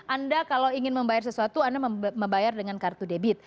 anda kalau ingin membayar sesuatu anda membayar dengan kartu debit